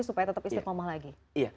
supaya tetap istiqomah lagi